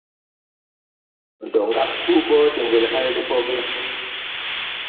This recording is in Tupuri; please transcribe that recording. Ndo ŋgab ɗuu mbo de ŋgel háyle mbo ge ?